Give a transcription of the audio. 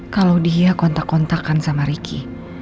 kalau dia kontak kontakan sama ricky